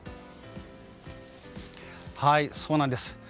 そうなんです。